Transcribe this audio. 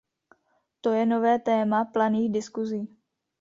To je nové téma planých diskuzí.